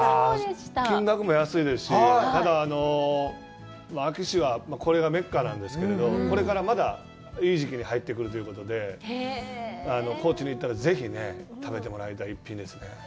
金額も安いですし、ただ、安芸市は、これのメッカなんですけど、これからまだいい時期に入ってくるということで、高知に行ったら、ぜひ食べてもらいたい一品ですね。